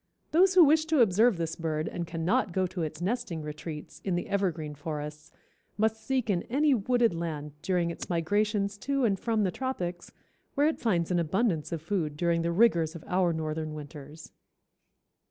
Those who wish to observe this bird and cannot go to its nesting retreats, in the evergreen forests, must seek in any wooded land during its migrations to and from the tropics, where it finds an abundance of food during the rigors of our northern winters.